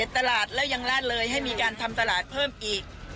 ตลาดแล้วยังลาดเลยให้มีการทำตลาดเพิ่มอีก